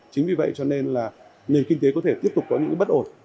chính vì vậy cho nên là nền kinh tế có thể tiếp tục có những bất ổn